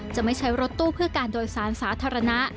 จะไม่ใช้รถตู้เพื่อการโดยสารสาธารณะ